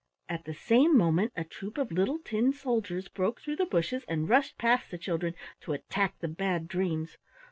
At the same moment a troop of little tin soldiers broke through the bushes and rushed past the children to attack the Bad Dreams.